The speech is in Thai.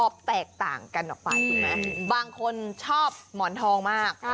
บางคนชอบหมอนทองมาก